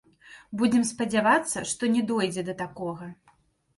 Будзем спадзявацца, што не дойдзе да такога.